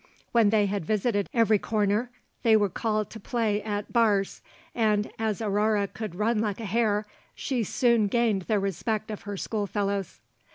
When they had visited every corner, they were called to play at 'bars,' and as Aurore could run like a hare, she soon gained the respect of her schoolfellows.